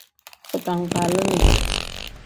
Bitangbalini.